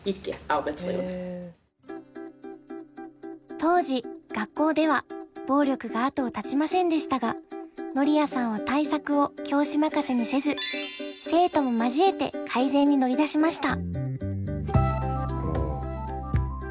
当時学校では暴力が後を絶ちませんでしたがノリアさんは対策を教師任せにせず生徒も交えて改善に乗り出しました。